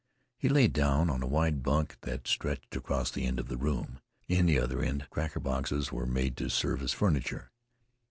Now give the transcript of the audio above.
He lay down on a wide bank that stretched across the end of the room. In the other end, cracker boxes were made to serve as furniture.